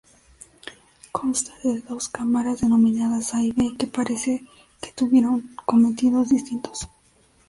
Consta de dos cámaras, denominadas A y B, que parece que tuvieron cometidos distintos.